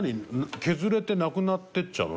削れてなくなっていっちゃうの？